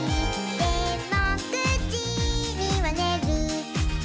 「でも９じにはねる」